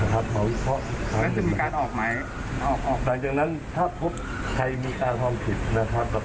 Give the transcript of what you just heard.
นะครับมาวิเคราะห์แล้วจะมีการออกไหมออกออกหลังจากนั้นถ้าพบใครมีการความผิดนะครับ